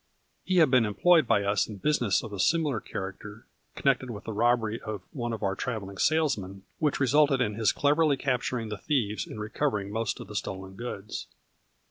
He had been employed by us in busi ness of a similar character, connected with the robbery of one of our traveling salesmen, which resulted in his cleverly capturing the thieves and recovering most of the stolen goods.